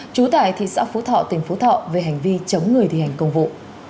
trú tại thị xã phú thọ tỉnh phú thọ về hành vi chống người thi hành công vụ